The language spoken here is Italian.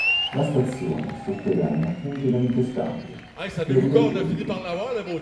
La stazione, sotterranea, funge da interscambio per le due linee.